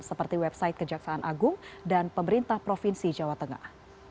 seperti website kejaksaan agung dan pemerintah provinsi jawa tengah